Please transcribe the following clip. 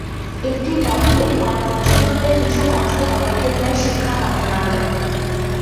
এটি বন্ধে কয়েক বছর ধরে কিছু কঠোর পদক্ষেপ নেয় শিক্ষা মন্ত্রণালয়।